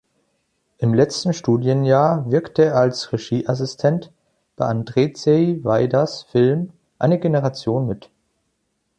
Im letzten Studienjahr wirkte er als Regieassistent bei Andrzej Wajdas Film "Eine Generation" mit.